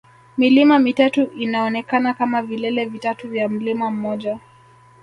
Milima mitatu inaonekana kama vilele vitatu vya mlima mmoja